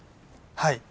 はい。